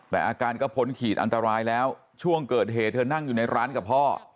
แต่อาการก็พ้นขีดอันตรายแล้วช่วงเกิดเหตุเธอนั่งอยู่ในร้านกับพ่อ